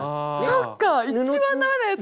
そっか一番ダメなやつだ。